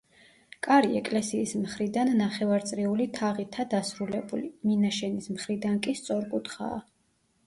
კარი ეკლესიის მხრიდან ნახევარწრიული თაღითა დასრულებული, მინაშენის მხრიდან კი სწორკუთხაა.